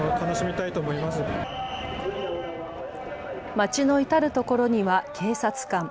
街の至る所には警察官。